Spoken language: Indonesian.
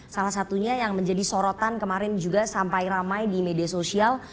salah satunya yang menjadi sorotan kemarin juga sampai ramai di media sosial